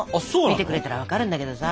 見てくれたら分かるんだけどさ。